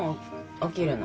起きるの。